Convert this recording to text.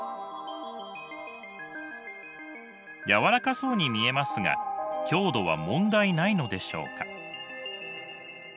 軟らかそうに見えますが強度は問題ないのでしょうか？